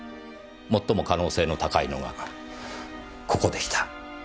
最も可能性の高いのがここでした。